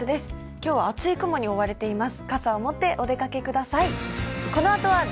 今日は厚い雲に覆われています。